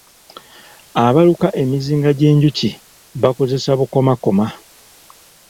Abaluka emizinga gyenjuki bakozesa bukomakoma.